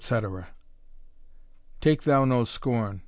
_ Take thou no scorn.